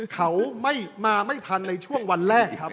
เขาไม่มาไม่ทันในช่วงวันแรกครับ